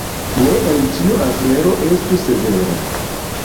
Ne en ĉiu afero estu severa.